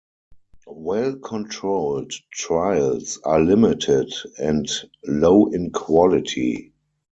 Well-controlled trials are limited and low in quality.